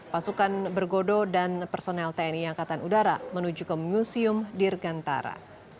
pasukan bergodo dan personel tni angkatan udara menuju ke museum dirgantara